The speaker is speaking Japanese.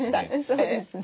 そうですね。